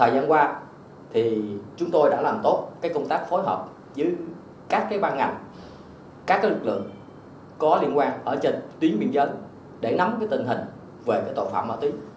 các băng ảnh các lực lượng có liên quan ở trên tuyến biên giới để nắm tình hình về tội phạm ma túy